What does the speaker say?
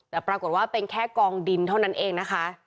แต่ปรากฏว่าเป็นแค่กองดินเท่านั้นเองนะคะ